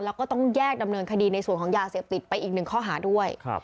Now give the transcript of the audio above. แล้วก็ต้องแยกดำเนินคดีในส่วนของยาเสพติดไปอีกหนึ่งข้อหาด้วย